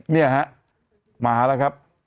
เนี่ยฮะมาแล้วครับ